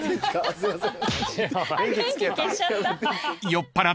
すいません。